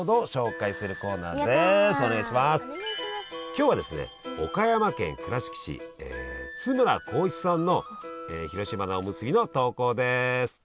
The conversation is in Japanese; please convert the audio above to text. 今日はですね岡山県倉敷市津村甲一さんの広島菜おむすびの投稿です。